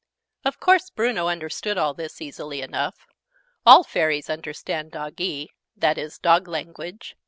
Of course Bruno understood all this, easily enough. All Fairies understand Doggee that is, Dog language.